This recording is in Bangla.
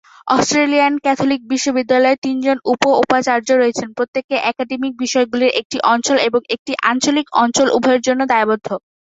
অস্ট্রেলিয়ান ক্যাথলিক বিশ্ববিদ্যালয়ে, তিনজন উপ-উপাচার্য রয়েছেন, প্রত্যেকে একাডেমিক বিষয়গুলির একটি অঞ্চল এবং একটি আঞ্চলিক অঞ্চল উভয়ের জন্য দায়বদ্ধ।